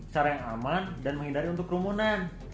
cara yang aman dan menghindari untuk kerumunan